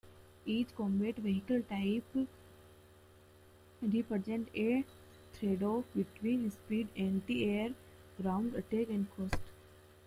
Each combat vehicle type represents a tradeoff between speed, anti-air, ground-attack, and cost.